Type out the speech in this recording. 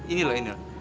ini loh ini loh